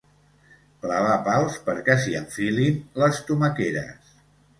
Clavar pals perquè s'hi enfilin les tomaqueres.